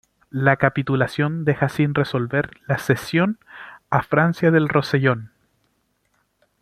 La capitulación deja sin resolver la cesión a Francia del Rosellón.